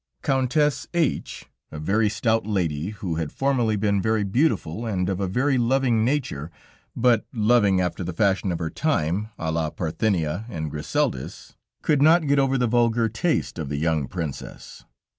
Countess H , a very stout lady, who had formerly been very beautiful and of a very loving nature, but loving after the fashion of her time à la Parthenia and Griseldis, could not get over the vulgar taste of the young Princess.